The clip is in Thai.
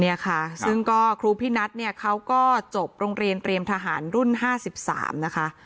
เนี่ยค่ะซึ่งก็ครูพี่นัทเนี่ยเขาก็จบโรงเรียนเตรียมทหารรุ่น๕๓นะคะ